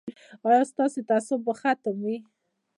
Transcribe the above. ایا ستاسو تعصب به ختم وي؟